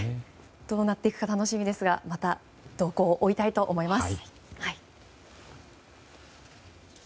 どうなっていくか楽しみですがまた動向を追いたいと思います。